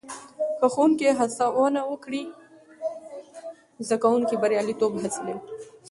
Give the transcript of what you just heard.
که ښوونکې هڅونه وکړي، زده کوونکي برياليتوب حاصلوي.